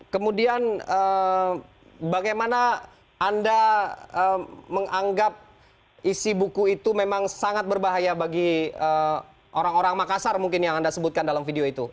kemudian bagaimana anda menganggap isi buku itu memang sangat berbahaya bagi orang orang makassar mungkin yang anda sebutkan dalam video itu